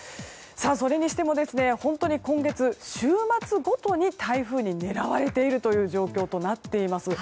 それにしても本当に今月、週末ごとに台風に狙われている状況となっています。